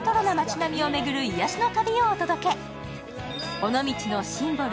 尾道のシンボル